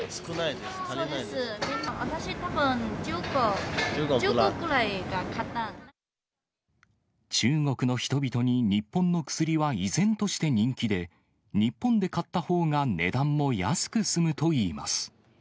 私、たぶん、１０個、中国の人々に日本の薬は依然として人気で、日本で買ったほうが値段も安く済むといいます。